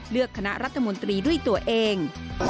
เลือกคณะรัฐมนตรีด้วยตัวเอง